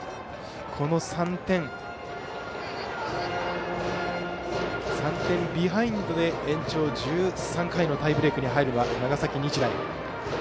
３点ビハインドで延長１３回のタイブレークに入るのは長崎日大。